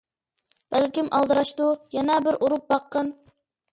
بەلكىم ئالدىراشتۇ، يەنە بىر ئۇرۇپ باققىن.